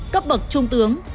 cấp bậc trung tướng